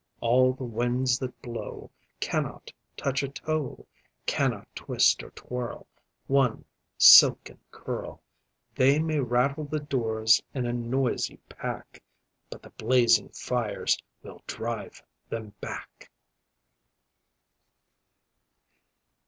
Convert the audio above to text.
All the winds that blow Cannot touch a toe Cannot twist or twirl One silken curl. They may rattle the doors in a noisy pack, But the blazing fires will drive them back.